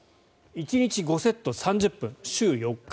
１日５セットを３０分週４日。